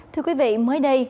thưa quý vị mới đây